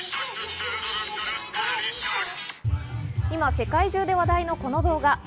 今、世界中で話題のこの動画。